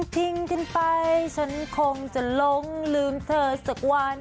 ทิ้งขึ้นไปฉันคงจะหลงลืมเธอสักวัน